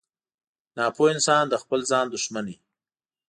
• ناپوه انسان د خپل ځان دښمن وي.